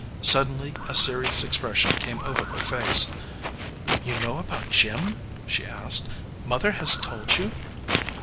Suddenly a serious ex pression came over her face. "You know about Jim?" she asked. "Mother has told you?"